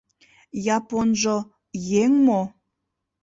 Японжо еҥ мо?